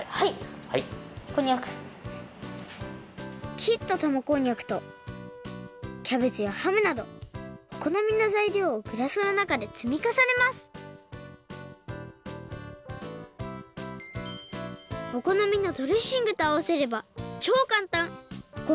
きったたまこんにゃくとキャベツやハムなどおこのみのざいりょうをグラスのなかでつみかさねますおこのみのドレッシングとあわせればちょうかんたん！